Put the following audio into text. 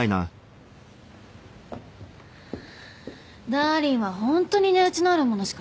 ダーリンはホントに値打ちのあるものしか興味ないから。